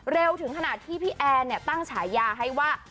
เร็วถึงขนาดที่พี่แอนตั้งฉายาให้ว่า